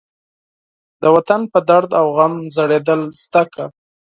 د وطن په درد و غم ژړېدل زده کړه.